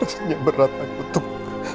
rasanya berat aku untuk